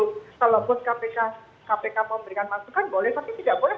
kalau bos kpk mau memberikan masukan boleh tapi tidak boleh